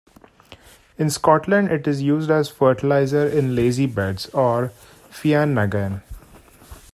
In Scotland, it is used as fertiliser in lazybeds or "feannagan".